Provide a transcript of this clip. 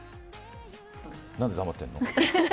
何で黙ってんの？